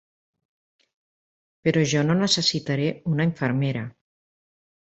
Però jo no necessitaré una infermera.